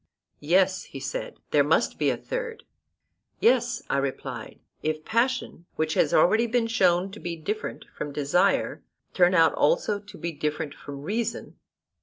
Yes, he said, there must be a third. Yes, I replied, if passion, which has already been shown to be different from desire, turn out also to be different from reason.